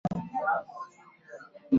总共有八支球队参加了锦标赛。